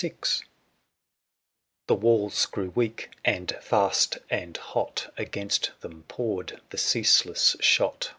mirf fil The walls grew weak; and fast and hot * Against ihem poured the ceaseless shot, 1 1